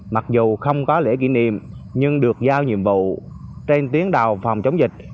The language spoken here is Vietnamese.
mặc dù không có lễ kỷ niệm nhưng được giao nhiệm vụ trên tiếng đầu phòng chống dịch